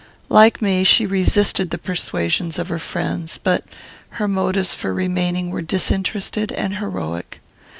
Like me, she resisted the persuasions of her friends, but her motives for remaining were disinterested and heroic.